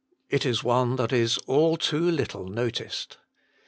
It is one that is all too little noticed.